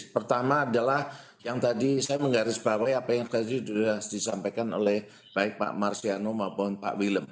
pertama adalah yang tadi saya menggarisbawahi apa yang tadi sudah disampaikan oleh baik pak marsiano maupun pak willem